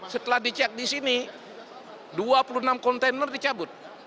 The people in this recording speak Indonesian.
setelah dicek di sini dua puluh enam kontainer dicabut